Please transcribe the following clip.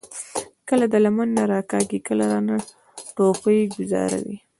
کله د لمن نه راکاږي، کله رانه ټوپۍ ګوذاري ـ